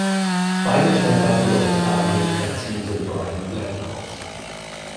Beide Treffer für Australien erzielte Brian Glencross.